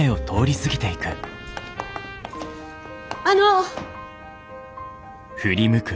あの！